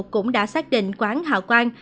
cũng đã xác định quán hào quang